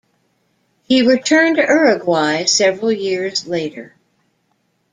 He returned to Uruguay several years later.